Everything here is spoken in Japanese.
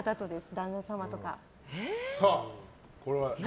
旦那様とか。